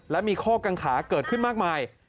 และมีข้อกังขาเกิดขึ้นมากมาย